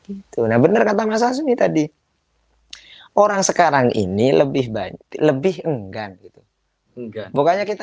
gitu nah bener kata mas asmi tadi orang sekarang ini lebih baik lebih enggan gitu bukannya kita